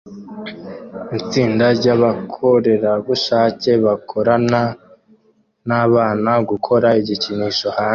Itsinda ryabakorerabushake bakorana nabana gukora igikinisho hanze